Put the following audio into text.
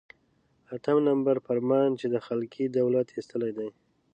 اتم نمبر فرمان چې دا خلقي دولت ایستلی دی.